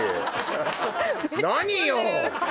何よ！